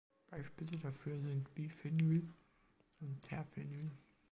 Beispiele dafür sind Biphenyl und Terphenyl.